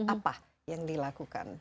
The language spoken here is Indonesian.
apa yang dilakukan